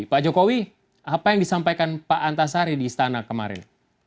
pak jokowi apa yang disampaikan pak antasari di istana kemarin